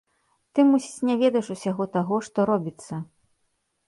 Ты, мусіць, не ведаеш усяго таго, што робіцца?